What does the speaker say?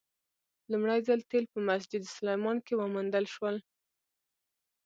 لومړی ځل تیل په مسجد سلیمان کې وموندل شول.